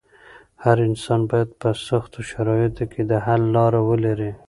هر انسان بايد په سختو شرايطو کې د حل لاره ولري.